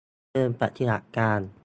เชิงปฏิบัติการ